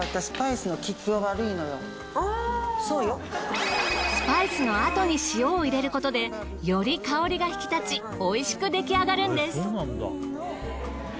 スパイスの後に塩を入れることでより香りが引きたち美味しく出来上がるんです。